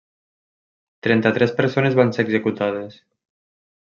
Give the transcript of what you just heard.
Trenta-tres persones van ser executades.